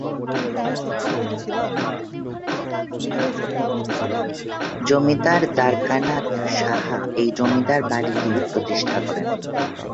জমিদার দ্বারকানাথ সাহা এই জমিদার বাড়িটি প্রতিষ্ঠা করেন।